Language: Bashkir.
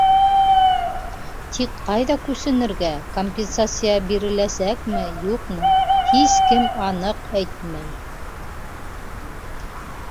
Тик ҡайҙа күсенергә, компенсация биреләсәкме, юҡмы — һис кем аныҡ әйтмәй.